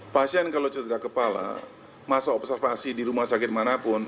pasien kalau cedera kepala masa observasi di rumah sakit manapun